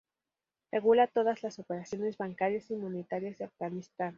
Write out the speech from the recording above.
Regula todas las operaciones bancarias y monetarias de Afganistán.